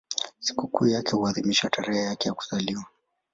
Sikukuu yake huadhimishwa tarehe yake ya kuzaliwa.